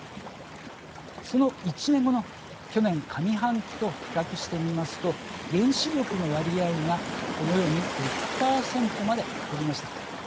その１年後の去年上半期と比較してみますと原子力の割合がこのように６％まで減りました。